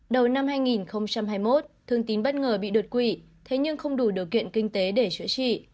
đầu năm hai nghìn hai mươi một thương tín bất ngờ bị đột quỵ thế nhưng không đủ điều kiện kinh tế để chữa trị